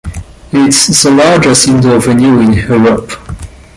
It is the largest indoor venue in Europe.